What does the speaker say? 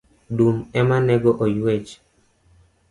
Dum ema nego oyuech.